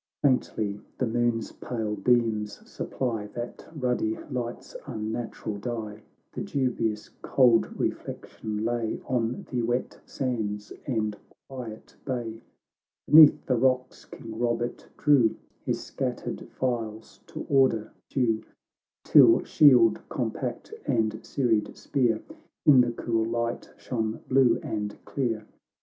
— xv Faintly the moon's pale beams supply That ruddy light's unnatural dye, The dubious cold reflection lay On the wet sands and quiet bay. Beneath the rocks King Bobert drew His scattered files to order due, Till shield compact and serried spear In the cool light shone blue and clear.